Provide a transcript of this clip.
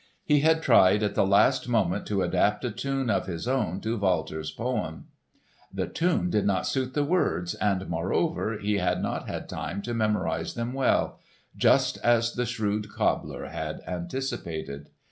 He had tried at the last moment to adapt a tune of his own to Walter's poem. The tune did not suit the words, and moreover he had not had time to memorise them well—just as the shrewd cobbler had anticipated.